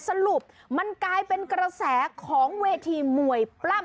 สรุปมันกลายเป็นกระแสของเวทีมวยปล้ำ